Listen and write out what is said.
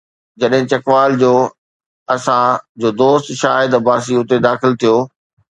جڏهن چکوال جو اسان جو دوست شاهد عباسي اتي داخل ٿيو.